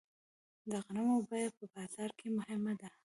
د غنمو بیه په بازار کې مهمه ده.